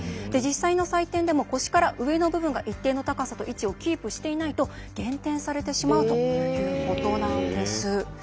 実際の採点でも腰から上の部分が一定の高さと位置をキープしていないと減点されてしまうということです。